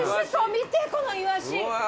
見てこのイワシ。